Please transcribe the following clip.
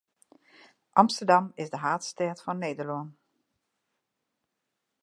Amsterdam is de haadstêd fan Nederlân.